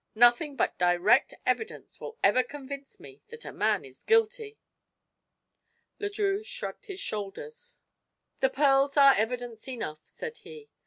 Nothing but direct evidence will ever convince me that a man is guilty." Le Drieux shrugged his shoulders. "The pearls are evidence enough," said he.